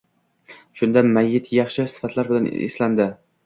Shunda mayyit yaxshi sifatlar bilan eslandi